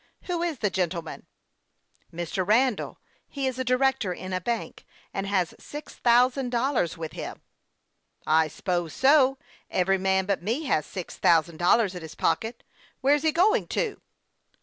" Who is the gentleman ?"" Mr. Randall ; he is a director in a bank, and has six thousand dollars with him." ''I suppose so; every man but me has six thou sand dollars in his pocket. Where's he going to